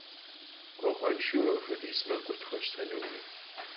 Guaxhuenşşeu apxuediz mekhur txueştenukhım.